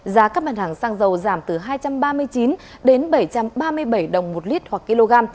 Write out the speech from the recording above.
giá các bàn hàng xăng dầu giảm từ hai trăm ba mươi chín đồng đến bảy mươi năm đồng